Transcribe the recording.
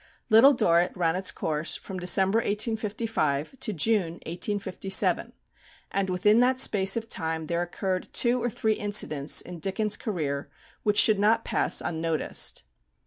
"Little Dorrit" ran its course from December, 1855, to June, 1857, and within that space of time there occurred two or three incidents in Dickens' career which should not pass unnoticed.